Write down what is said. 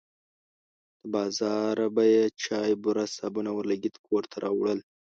له بازاره به یې چای، بوره، صابون او اورلګیت کور ته وړل.